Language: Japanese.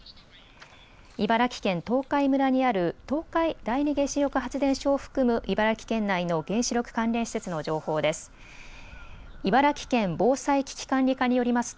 茨城県東海村にある東海第二原子力発電所を含む茨城県内の原子力関連施設の情報です。